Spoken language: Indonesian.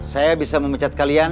saya bisa memecat kalian